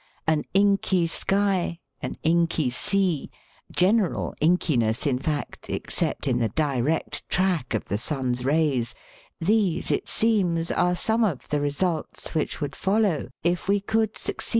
An inky sky, an inky sea, general inkiness, in fact, ex cept in the direct track of the sun's rays these, it seems, are some of the results which would follow ii we could succee.